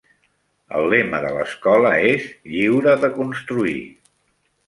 El lema de l'escola és "Lliure de construir".